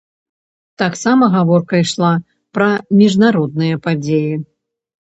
Таксама гаворка ішла пра міжнародныя падзеі.